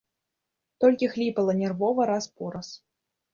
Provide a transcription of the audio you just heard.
Толькі хліпала нервова раз-пораз.